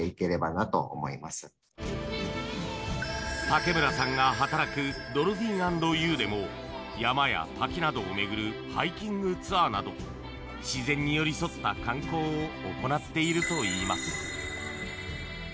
竹村さんが働くドルフィン＆ユーでも山や滝などを巡るハイキングツアーなど自然に寄り添った観光を行っているといいます。